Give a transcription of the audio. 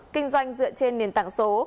kinh doanh dựa trên nền tảng số